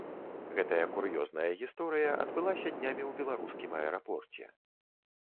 Гэтая кур'ёзная гісторыя адбылася днямі ў беларускім аэрапорце.